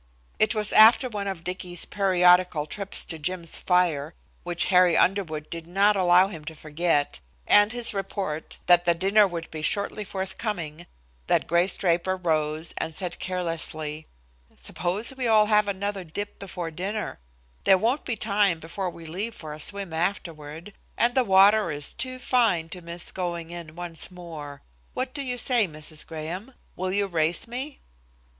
It was after one of Dicky's periodical trips to Jim's fire, which Harry Underwood did not allow him to forget, and his report that the dinner would be shortly forthcoming, that Grace Draper rose and said carelessly: "Suppose we all have another dip before dinner; there won't be time before we leave for a swim afterward, and the water is too fine to miss going in once more. What do you say, Mrs. Graham? Will you race me?"